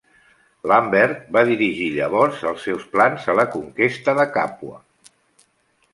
Lambert va dirigir llavors els seus plans a la conquesta de Càpua.